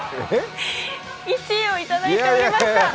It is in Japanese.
１位をいただいておりました。